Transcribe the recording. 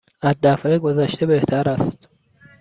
از دفعه گذشته بهتر است.